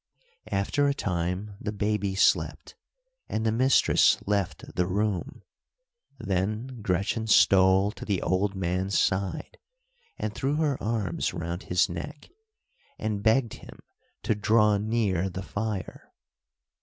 After a time the baby slept, and the mistress left the room. Then Gretchen stole to the old man's side, and threw her arms round his neck, and begged him to draw near the fire.